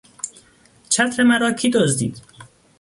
چتر مرا کی دزدید؟